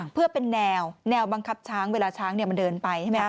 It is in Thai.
เพื่อเป็นแนวแนวบังคับช้างเวลาช้างมันเดินไปใช่ไหมค